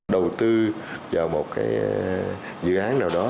đầu tư vào một dự án nào đó